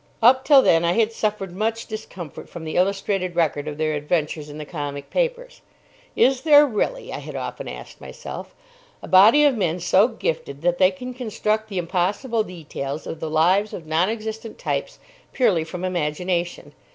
Up till then I had suffered much discomfort from the illustrated record of their adventures in the comic papers. "Is there really," I had often asked myself, "a body of men so gifted that they can construct the impossible details of the lives of nonexistent types purely from imagination?